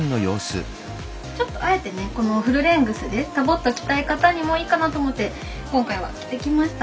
ちょっとあえてねこのフルレングスでダボッと着たい方にもいいかなと思って今回は着てきました。